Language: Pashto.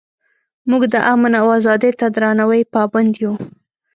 موږ د امن او ازادۍ ته درناوي پابند یو.